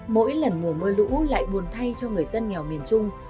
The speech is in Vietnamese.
mỗi lần mùa mưa lũ lại buồn thay cho người dân nghèo miền trung